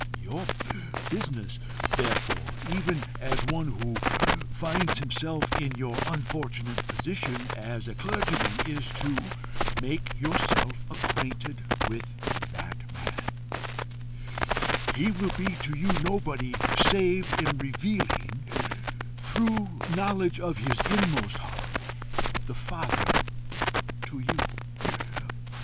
Your business, therefore, even as one who finds himself in your unfortunate position as a clergyman, is to make yourself acquainted with that man: he will be to you nobody save in revealing, through knowledge of his inmost heart, the Father to you.